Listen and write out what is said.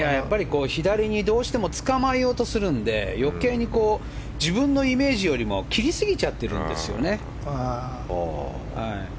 左にどうしてもつかまえようとするんで余計に自分のイメージよりも切りすぎちゃってるんですね。